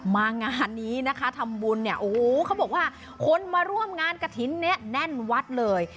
มางานนี้นะคะทำบุญเนี่ยโอ้โหเขาบอกว่าคนมาร่วมงานกระถิ่นเนี่ยแน่นวัดเลย